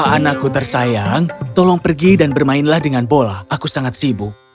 anakku tersayang tolong pergi dan bermainlah dengan bola aku sangat sibuk